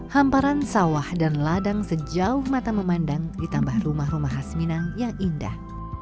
hamparan sawah dan ladang sejauh mata memandang ditambah rumah rumah khas minang yang indah